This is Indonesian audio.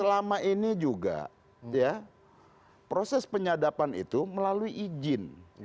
selama ini juga proses penyadapan itu melalui izin